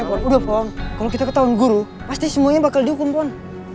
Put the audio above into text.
udah pon kalau kita ketahuan guru pasti semuanya bakal dihukum pon